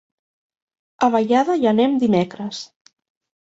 A Vallada hi anem dimecres.